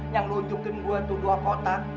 yang lojukin gue tuh dua kotak